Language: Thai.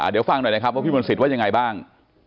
เดี๋ยวฟังหน่อยนะครับว่าพี่มนต์สิทธิว่ายังไงบ้าง